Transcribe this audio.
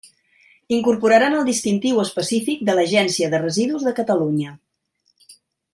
Incorporaran el distintiu específic de l'Agència de Residus de Catalunya.